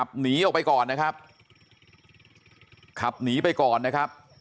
หนีออกไปก่อนนะครับขับหนีไปก่อนนะครับ